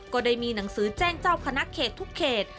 ก็ได้มีหนังสือแจ้งเจ้าคณะเขตทุกเขต